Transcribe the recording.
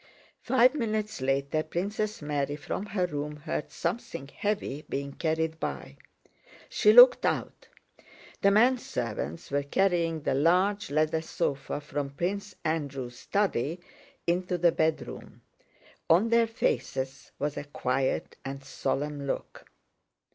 Five minutes later Princess Mary from her room heard something heavy being carried by. She looked out. The men servants were carrying the large leather sofa from Prince Andrew's study into the bedroom. On their faces was a quiet and solemn look.